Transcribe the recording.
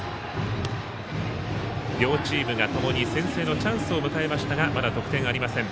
両チームがともに先制のチャンスを迎えましたがまだ得点ありません。